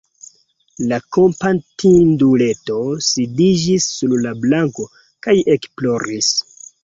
La kompatinduleto sidiĝis sur la planko kaj ekploris.